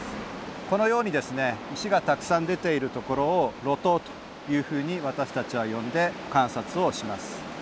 このようにですね石がたくさん出ているところを露頭というふうに私たちは呼んで観察をします。